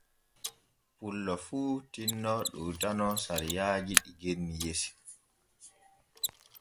Pullo fu tinno ɗoytano sariyaaji ɗi genni yesi.